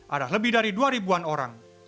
ada lebih dari dua ribuan orang